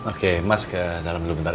oke mas ke dalam dulu bentar